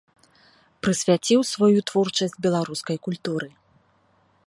Прысвяціў сваю творчасць беларускай культуры.